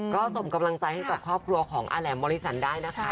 ก็ส่งกำลังใจให้กับครอบครัวของอาแหลมมริสันได้นะคะ